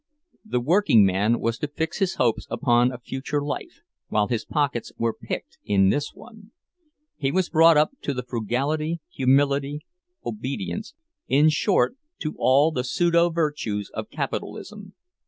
The working man was to fix his hopes upon a future life, while his pockets were picked in this one; he was brought up to frugality, humility, obedience—in short to all the pseudo virtues of capitalism.